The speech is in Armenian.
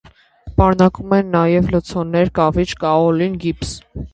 Պարունակում են նաև լցոններ՝ կավիճ, կաոլին, գիպս։